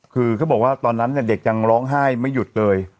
คือเขาบอกว่าตอนนั้นเด็กยังร้องไห้ไม่หยุดเลย